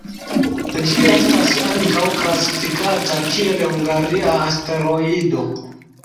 Ĝi estas ankaŭ klasifikata kiel hungaria asteroido.